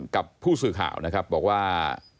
กับผู้สื่อข่าวนะครับบอกว่า